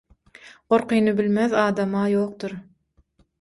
Gorkyny bilmez adam-a ýokdur.